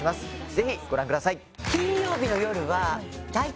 ぜひご覧ください。